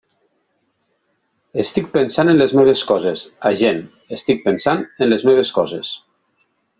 Estic pensant en les meves coses, agent, estic pensant en les meves coses.